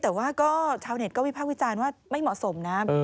แต่ว่าก็ชาวเน็ตก็วิพากษ์วิจารณ์ว่าไม่เหมาะสมนะ